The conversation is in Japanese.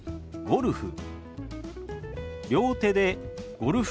「ゴルフ」。